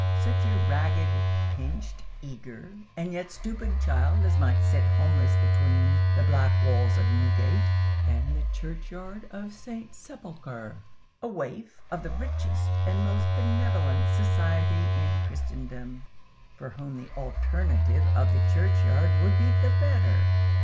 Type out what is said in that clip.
Such a ragged, pinched, eager, and yet stupid child as might sit homeless between the black walls of Newgate and the churchyard of St. Sepulchre,—a waif of the richest and most benevolent society in Christendom, for whom the alternative of the churchyard would be the better."